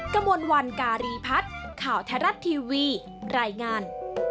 กระมวลวันการีพัฒน์ข่าวไทยรัฐทีวีรายงาน